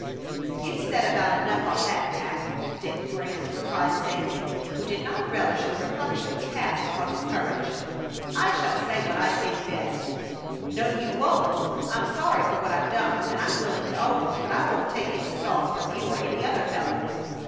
"You've said about enough on that tack, Dick Grant," replied Sandy, who did not relish the reflections cast upon his courage. "I shall say what I think best." "No, you won't! I'm sorry for what I've done, and I'm willing to own it; but I won't take any sauce from you or any other fellow."